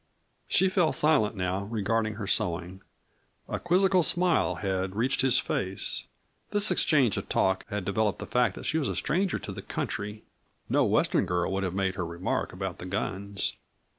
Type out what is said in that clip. She fell silent now, regarding her sewing. A quizzical smile had reached his face. This exchange of talk had developed the fact that she was a stranger to the country. No Western girl would have made her remark about the guns.